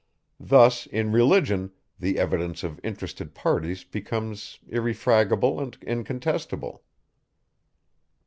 Thus, in religion, the evidence of interested parties becomes irrefragable and incontestable.